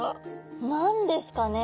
何ですかね？